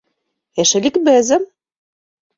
Эше — ликбезым.